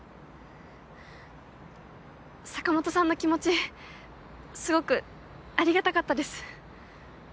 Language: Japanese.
坂本さんの気持ちすごくありがたかったです。